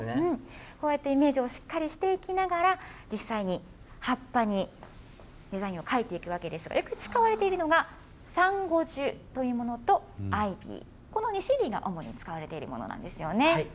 こうやってイメージをしっかりしていきながら、実際に葉っぱにデザインを描いていくわけですが、よく使われているのがサンゴジュというものとアイビー、この２種類が主に使われているものなんですよね。